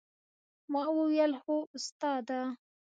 ما وويل هو استاده!